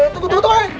tunggu tunggu tunggu